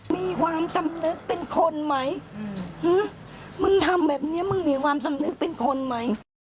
มีความสำนึกเป็นคนไหม